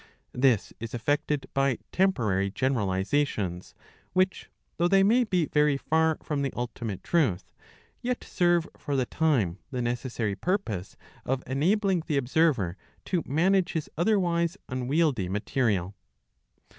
This is effected by tQmgorary generalisations, which, though they may be very far from the ultimate truth, yet serve for the time the necessary purpose of enabling the observer to manage his otherwise unwieldy material.